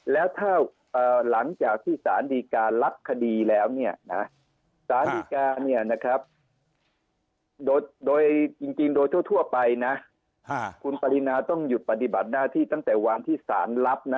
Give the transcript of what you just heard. แล้วถ้าหลังจากที่สารดีการรับคดีแล้วสารดีการโดยจริงโดยทั่วไปนะคุณปรินาต้องหยุดปฏิบัติหน้าที่ตั้งแต่วานที่สารรับนะ